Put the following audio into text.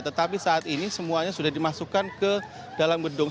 tetapi saat ini semuanya sudah dimasukkan ke dalam gedung